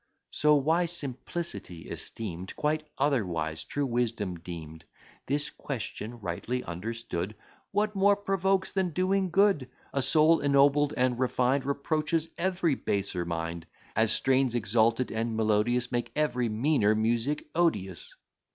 So wise Simplicity esteem'd; Quite otherwise True Wisdom deem'd; This question rightly understood, "What more provokes than doing good? A soul ennobled and refined Reproaches every baser mind: As strains exalted and melodious Make every meaner music odious."